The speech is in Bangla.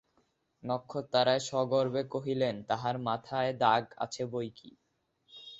নক্ষত্ররায় সগর্বে কহিলেন, তাহার মাথায় দাগ আছে বৈকি।